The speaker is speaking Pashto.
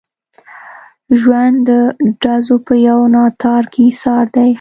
ژوند د ډزو په یو ناتار کې ایسار دی.